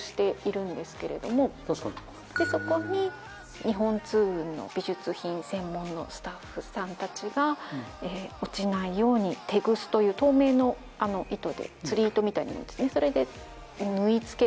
そこに日本通運の美術品専門のスタッフさんたちが落ちないようにテグスという透明の糸でつり糸みたいなやつそれで。をしています。